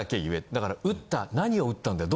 だから打った何を打ったんだよ。